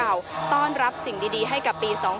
พาคุณผู้ชมไปติดตามบรรยากาศกันที่วัดอรุณราชวรรมหาวิหารค่ะ